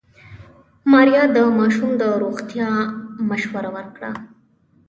ماريا د ماشوم د روغتيا مشوره ورکړه.